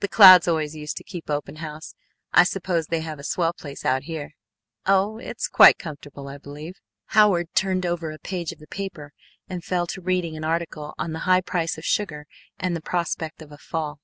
The Clouds always used to keep open house. I suppose they have a swell place out here?" "Oh, it's quite comfortable, I believe," Howard turned over a page of the paper and fell to reading an article on the high price of sugar and the prospect of a fall.